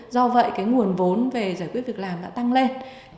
do vậy cái nguồn vốn về giải quyết việc làm đã tăng lên